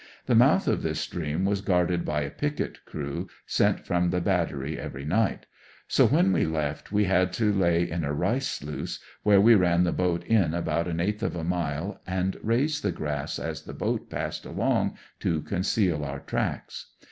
The mouth of this stream was gaarded by a picket crew, sent from the battery every night ; so when we left we had to lay in a rice sluice, where we ran the boat in about an eighth of a mile, and raised the grass as the boat passed along to conceal our tracks.